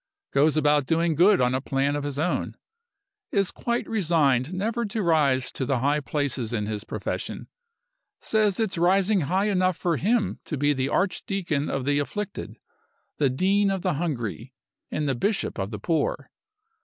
Goes about doing good on a plan of his own. Is quite resigned never to rise to the high places in his profession. Says it's rising high enough for him to be the Archdeacon of the afflicted, the Dean of the hungry, and the Bishop of the poor.